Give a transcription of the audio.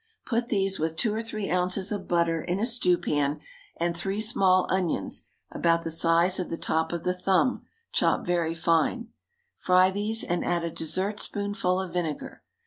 Put these with two or three ounces of butter in a stew pan, and three small onions about the size of the top of the thumb, chopped very fine; fry these and add a dessertspoonful of vinegar.